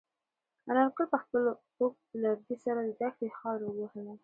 انارګل په خپل اوږد لرګي سره د دښتې خاوره ووهله.